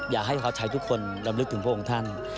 อยากให้เขาใช้ทุกคนรำลึกถึงพวกองค์ท่าน